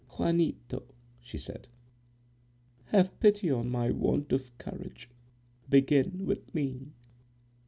"Juanito," she said, "have pity on my want of courage; begin with me."